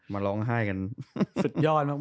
มาร้องไห้กัน